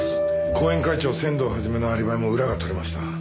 後援会長仙堂肇のアリバイも裏が取れました。